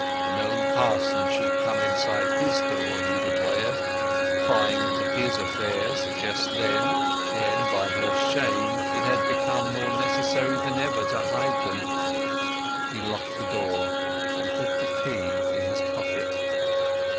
No parson should come inside his door, he declared, prying into his affairs, just then, when, by her shame, it had become more necessary than ever to hide them. He locked the door and put the key in his pocket.